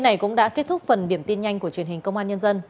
hôm nay cũng đã kết thúc phần điểm tin nhanh của truyền hình công an nhân dân